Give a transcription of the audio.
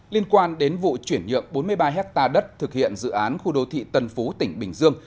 liên quan đến vụ chuyển nhượng bốn mươi ba hectare đất thực hiện dự án khu đô thị tân phú tỉnh bình dương